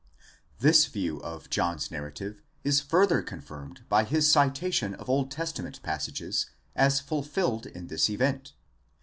This view of John's narrative is further confirmed by his citation of Old Testament passages, as fulfilled in this event.